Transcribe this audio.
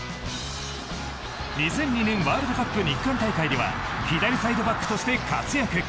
２００２年ワールドカップ日韓大会では左サイドバックとして活躍。